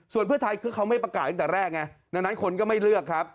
ส่วนเพื่อไทยคือเขาไม่ประกาศตั้งแต่แรกไงดังนั้นคนก็ไม่เลือกครับ